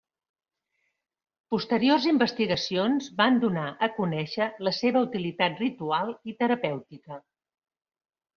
Posteriors investigacions van donar a conèixer la seva utilitat ritual i terapèutica.